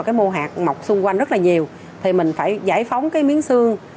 cái mô hạt mọc xung quanh rất là nhiều thì mình phải giải phóng cái miếng xương